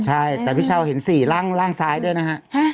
ใช่แต่พี่เช้าเห็น๔ร่างซ้ายด้วยนะฮะ